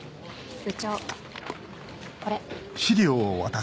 部長これ。